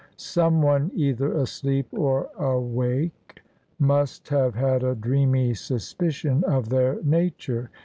Some one, either asleep or awake, must have had a dreamy suspicion of their nature.